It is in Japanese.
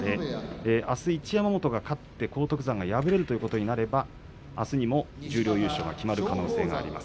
あす一山本が勝って荒篤山が敗れることになればあすにも十両優勝が決まる可能性があります。